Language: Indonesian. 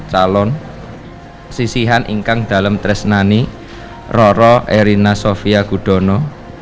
calon sisihkan ingkang dalam tresnani roro erina sofia gudono